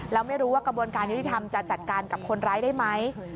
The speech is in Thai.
แล้วไม่รู้ว่ากระบวนการยุติธรรมจะจัดการกับคนร้ายได้ไหม